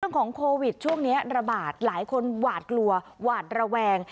เรื่องของโควิดช่วงนี้ระบาดหลายคนหวาดกลัวหวาดระแวง